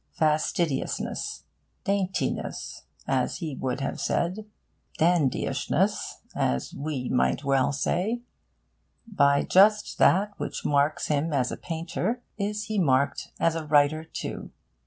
Fastidiousness 'daintiness,' as he would have said dandyishness, as we might well say: by just that which marks him as a painter is he marked as a writer too.